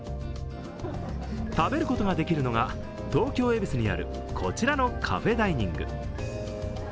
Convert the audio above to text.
食べることができるのが、東京・恵比寿にあるこちらのカフェダイニング。